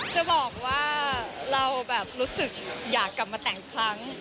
จะบอกว่าเราแบบรู้สึกอยากกลับมาแต่งครั้ง